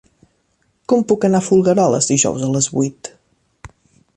Com puc anar a Folgueroles dijous a les vuit?